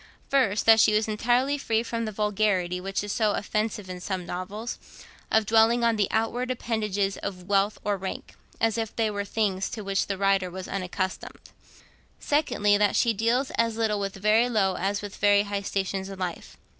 First, that she is entirely free from the vulgarity, which is so offensive in some novels, of dwelling on the outward appendages of wealth or rank, as if they were things to which the writer was unaccustomed; and, secondly, that she deals as little with very low as with very high stations in life.